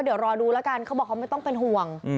เดี๋ยวรอดูแล้วกันเขาบอกเขาไม่ต้องเป็นห่วง